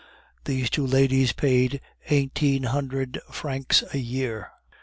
These two ladies paid eighteen hundred francs a year.